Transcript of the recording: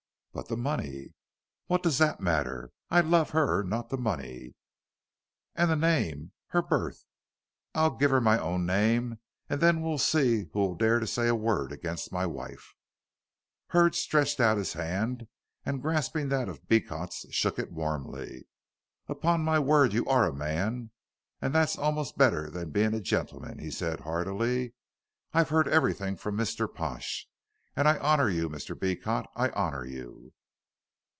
"But the money?" "What does that matter. I love her, not the money." "And the name. Her birth " "I'll give her my own name and then we'll see who will dare to say a word against my wife." Hurd stretched out his hand, and, grasping that of Beecot's, shook it warmly. "Upon my word you are a man, and that's almost better than being a gentleman," he said heartily. "I've heard everything from Mr. Pash, and I honor you Mr. Beecot I honor you."